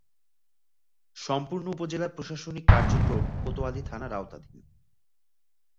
সম্পূর্ণ উপজেলার প্রশাসনিক কার্যক্রম কোতোয়ালী থানার আওতাধীন।